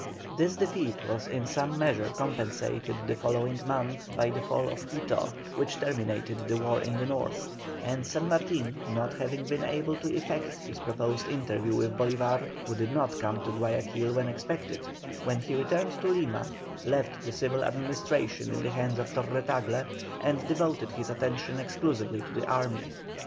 This defeat was in some measure compensated the following month by the fall of Quito, which terminated the war in the North, and San Martin not having been able to effect his proposed interview with Bolívar, who did not come to Guayaquil when expected, when he returned to Lima left the civil administration in the hands of Torre Tagle, and devoted his attention exclusively to the army.